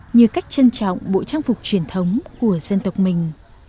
như cách trân trọng bộ trang phục truyền thống của dân tộc mình